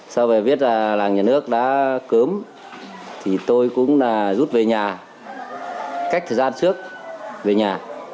sau về biết là làng nhà nước đã cớm thì tôi cũng rút về nhà cách thời gian trước về nhà